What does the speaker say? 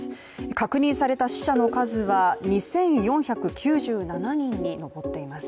確認された死者の数は２４９７人に上っています。